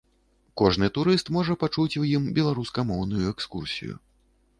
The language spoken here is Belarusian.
Кожны турыст можа пачуць у ім беларускамоўную экскурсію.